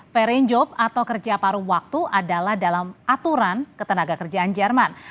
vere job atau kerja paru waktu adalah dalam aturan ketenaga kerjaan jerman